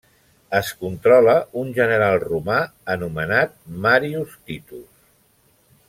Es controla un general romà anomenat Màrius Titus.